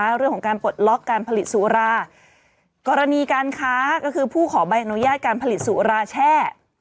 เรื่องของการปลดล็อกการผลิตสุรากรณีการค้าก็คือผู้ขอใบอนุญาตการผลิตสุราแช่